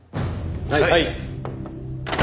はい。